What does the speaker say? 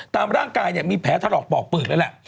ตามร่างกายมีแผลถลอกปอกปือกแล้วแหละ